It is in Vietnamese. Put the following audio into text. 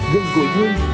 gần gũi hơn